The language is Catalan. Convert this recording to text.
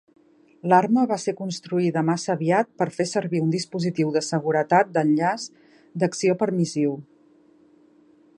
L'arma va ser construïda massa aviat per fer servir un dispositiu de seguretat d'enllaç d'acció permissiu.